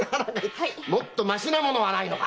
もっとましな物はないのか！